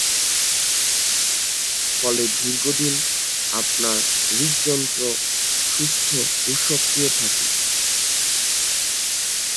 ফলে দীর্ঘদিন আপনার হৃদযন্ত্র সুস্থ ও সক্রিয় থাকে।